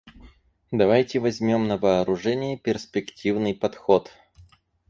Давайте возьмем на вооружение перспективный подход.